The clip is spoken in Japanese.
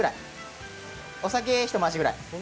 お酒１回しぐらい。